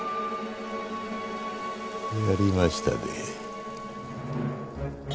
やりましたで。